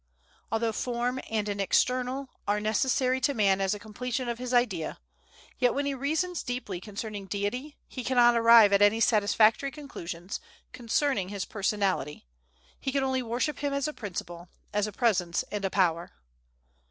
Although form and an external are necessary to man as a completion of his idea, yet when he reasons deeply concerning Deity, he cannot arrive at any satisfactory conclusions concerning his personality; he can only worship him as a principle, as a presence, and a power.